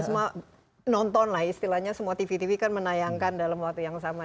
semua nonton lah istilahnya semua tv tv kan menayangkan dalam waktu yang sama